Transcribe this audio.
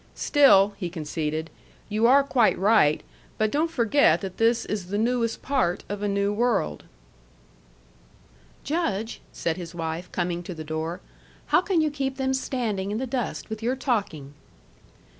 "Still," he conceded, "you are quite right. But don't forget that this is the newest part of a new world." "Judge," said his wife, coming to the door, "how can you keep them standing in the dust with your talking?"